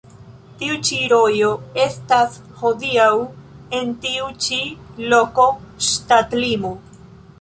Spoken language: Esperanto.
Tiu ĉi rojo estas hodiaŭ en tiu ĉi loko ŝtatlimo.